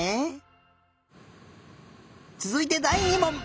つづいてだい２もん！